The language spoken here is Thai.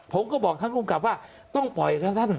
ผมก็บอกท่านคุณกรรมว่าต้องปล่อยกับท่านท่าน